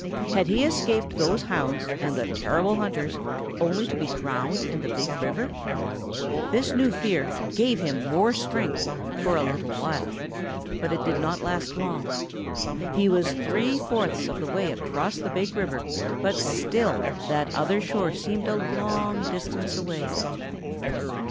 Had he escaped those hounds and the terrible hunters only to be drowned in the Big River? This new fear gave him more strength for a little while. But it did not last long. He was three fourths of the way across the Big River but still that other shore seemed a long distance away.